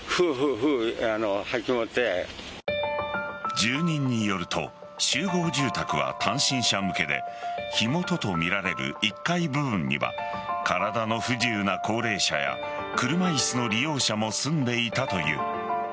住人によると集合住宅は単身者向けで火元とみられる１階部分には体の不自由な高齢者や車椅子の利用者も住んでいたという。